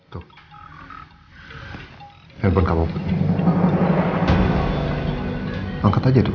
tuh handphone kamu angkat aja dulu